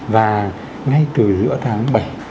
và ngay từ giữa tháng bảy